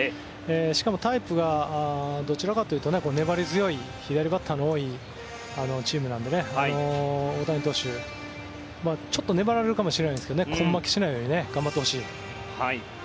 しかもタイプがどちらかというと粘り強い左バッターの多いチームなので大谷投手、ちょっと粘られるかもしれないですが根負けしないように頑張ってほしい。